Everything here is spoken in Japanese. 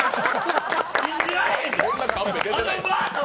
信じられへん！